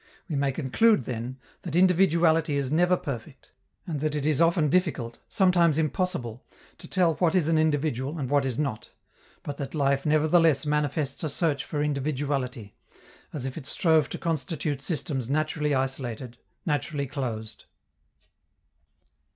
We may conclude, then, that individuality is never perfect, and that it is often difficult, sometimes impossible, to tell what is an individual, and what is not, but that life nevertheless manifests a search for individuality, as if it strove to constitute systems naturally isolated, naturally closed.